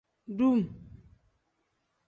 Dum.